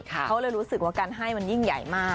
เขาเลยรู้สึกว่าการให้มันยิ่งใหญ่มาก